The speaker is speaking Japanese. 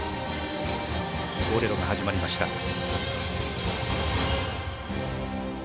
「ボレロ」が始まりました。